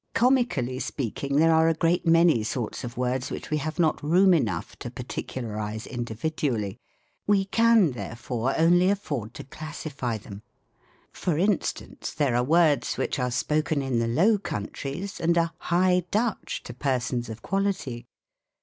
Comically speaking, there are a great many sorts of words which we have not room enough to particularise individually. We can therefore only afford to classify them. For instance ; there are words which are spoken ETYMOLOGY. 21 in the Low Countries, and are High Dutch to persons of quality.